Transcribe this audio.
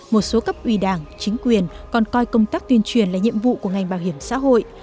một số cấp ủy đảng chính quyền còn coi công tác tuyên truyền là nhiệm vụ của ngành bảo hiểm xã hội